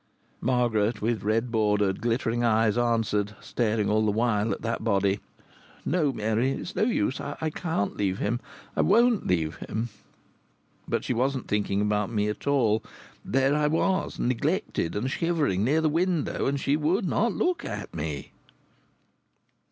Margaret, with red bordered, glittering eyes, answered, staring all the while at that body: "No, Mary. It's no use. I can't leave him. I won't leave him!" But she wasn't thinking about me at all. There I was, neglected and shivering, near the windows; and she would not look at me!